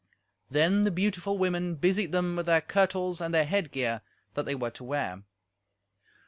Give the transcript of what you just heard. Then the beautiful women busied them with their kirtles and their headgear that they were to wear.